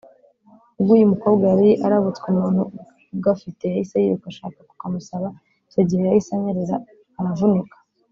ubwo uyu mukobwa yari arabutswe umuntu ugafite yahise yiruka ashaka kukamusaba icyo gihe yahise anyerera aravunika